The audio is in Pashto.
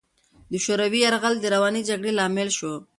د شوروي یرغل د روانې جګړې لامل شو.